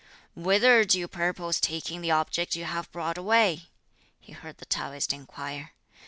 "Whither do you purpose taking the object you have brought away?" he heard the Taoist inquire.